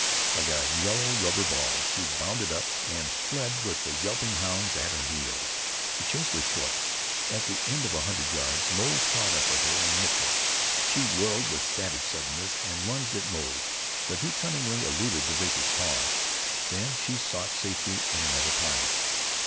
Like a yellow rubber ball she bounded up, and fled with the yelping hounds at her heels. The chase was short. At the end of a hundred yards Moze caught up with her and nipped her. She whirled with savage suddenness, and lunged at Moze, but he cunningly eluded the vicious paws. Then she sought safety in another pine.